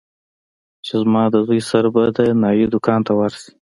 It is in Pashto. چې زما د زوى سره به د نايي دوکان ته ورشې.